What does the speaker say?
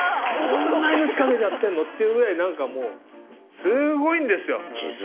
こんな命懸けてやってんの⁉っていうぐらいすごいんですよ。